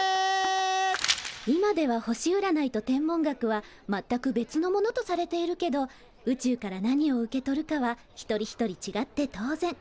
今では星うらないと天文学はまったく別のものとされているけど宇宙から何を受け取るかは一人一人ちがって当然。